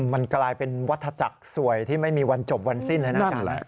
มันกลายเป็นวัฒจักรสวยที่ไม่มีวันจบวันสิ้นเลยนะอาจารย์